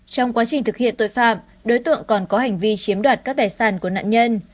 trong quá trình thực hiện tội phạm đối tượng còn có hành vi chiếm đoạt các tài sản của nạn nhân